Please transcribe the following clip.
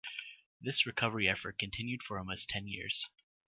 This recovery effort continued for almost ten years.